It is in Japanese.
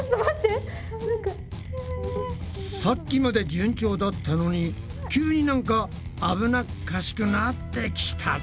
さっきまで順調だったのに急になんか危なっかしくなってきたぞ。